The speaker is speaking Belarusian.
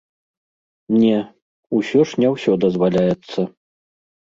Не, усё ж не ўсё дазваляецца.